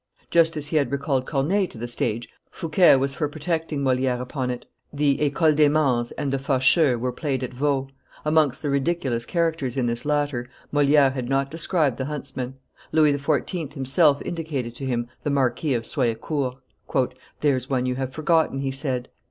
Just as he had recalled Corneille to the stage, Fouquet was for protecting Moliere upon it. The Ecole des Mans and the Facheux were played at Vaux. Amongst the ridiculous characters in this latter, Moliere had not described the huntsman. Louis XIV. himself indicated to him the Marquis of Soyecour. "There's one you have forgotten," he said.